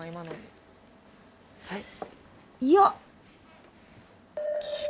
「はい」